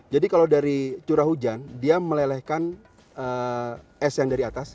jadi kalau dari curah hujan dia melelehkan es yang dari atas